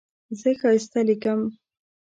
زه ښایسته لیکم.